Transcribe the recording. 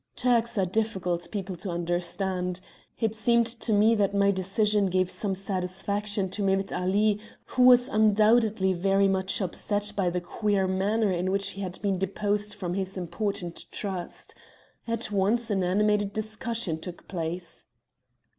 "Turks are difficult people to understand. It seemed to me that my decision gave some satisfaction to Mehemet Ali, who was undoubtedly very much upset by the queer manner in which he had been deposed from his important trust. At once an animated discussion took place."